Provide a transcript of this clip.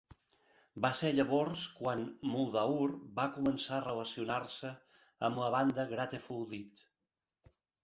Va ser llavors quan Muldaur va començar a relacionar-se amb la banda Grateful Dead.